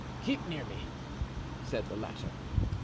"Keep near me," said the latter.